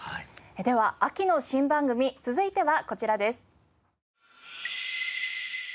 では秋の新番組続いてはこちらです。